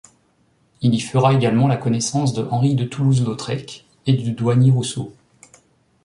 Il y fera également la connaissance de Henri de Toulouse-Lautrec et du Douanier Rousseau.